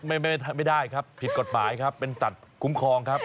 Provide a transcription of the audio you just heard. ไม่ได้ครับผิดกฎหมายครับเป็นสัตว์คุ้มครองครับ